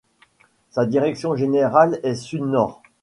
Sa direction générale est sud-nord.